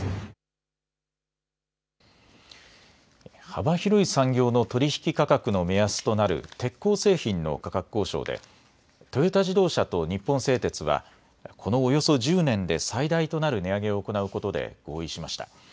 幅広い産業の取り引き価格の目安となる鉄鋼製品の価格交渉でトヨタ自動車と日本製鉄はこのおよそ１０年で最大となる値上げを行うことで合意しました。